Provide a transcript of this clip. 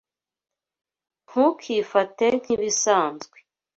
Ntukifate nkibisanzwe.